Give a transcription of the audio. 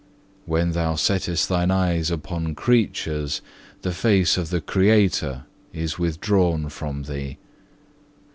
When thou settest thine eyes upon creatures, the face of the Creator is withdrawn from thee.